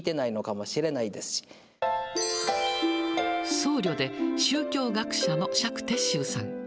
僧侶で宗教学者の釈徹宗さん。